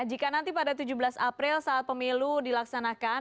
jika nanti pada tujuh belas april saat pemilu dilaksanakan